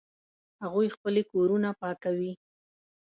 هغوی خپلې کورونه پاکوي